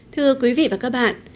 thưa quý vị và các bạn